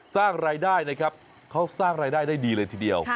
สร้างรายได้นะครับเขาสร้างรายได้ได้ดีเลยทีเดียว